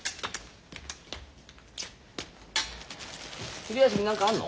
昼休み何かあんの？